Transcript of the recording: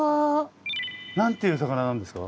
何ていう魚なんですか？